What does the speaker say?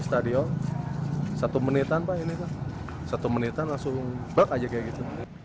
stadion satu menitan pak ini pak satu menitan langsung break aja kayak gitu